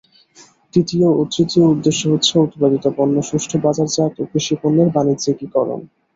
দ্বিতীয় ও তৃতীয় উদ্দেশ্য হচ্ছে উৎপাদিত পণ্য সুষ্ঠু বাজারজাত ও কৃষিপণ্যের বাণিজ্যিকীকরণ।